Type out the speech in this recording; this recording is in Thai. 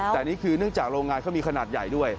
แต่นี่คือเนื่องจากโรงงานเขามีขนาดใหญ่ด้วย